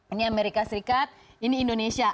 ini amerika serikat ini indonesia